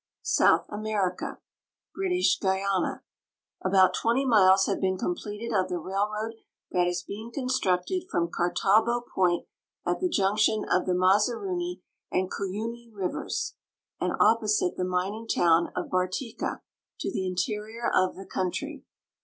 SOUTH AMERICA British Guiana. About 20 miles have been completed of the railroad that is being constructed from Kartabo point, at the junction of the Mazaruni and Cuyuny rivers and opposite the mining town of Bartica, to the interior of the country.